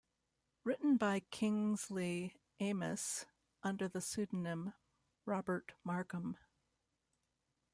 Written by Kingsley Amis under the pseudonym Robert Markham.